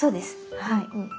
はい。